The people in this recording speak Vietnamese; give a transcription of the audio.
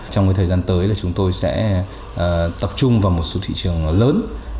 trong cái thời gian tới là chúng tôi sẽ tập trung vào một số thị trường lớn